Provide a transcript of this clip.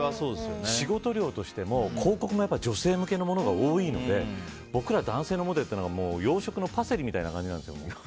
仕事量としても広告も女性向けのほうが多いので僕ら男性のモデルって洋食のパセリみたいなもんなんですよ。